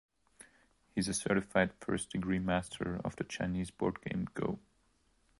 He is a certified first degree-master of the Chinese board game Go.